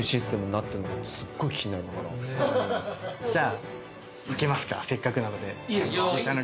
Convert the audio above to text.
じゃあ行きますかせっかくなので。